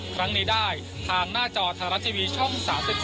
ครั้งนี้ได้ทางหน้าจอไทยรัฐทีวีช่อง๓๒